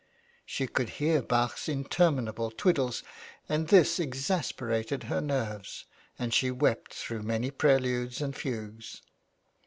She could hear Bach's interminable twiddles, and this exasperated her nerves and she wept through many preludes and fugues.